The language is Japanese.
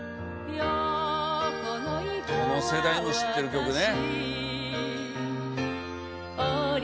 どの世代も知ってる曲ね。